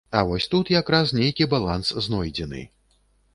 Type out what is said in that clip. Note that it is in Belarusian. А вось тут як раз нейкі баланс знойдзены.